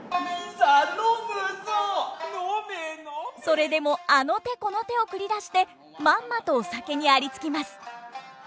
それでもあの手この手を繰り出してまんまとお酒にありつきます！